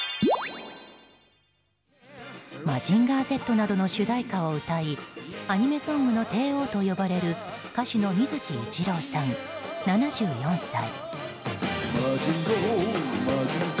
「マジンガーＺ」などの主題歌を歌いアニメソングの帝王と呼ばれる歌手の水木一郎さん、７４歳。